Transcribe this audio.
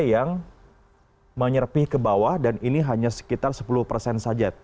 yang menyerpi ke bawah dan ini hanya sekitar sepuluh persen saja